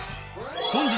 本日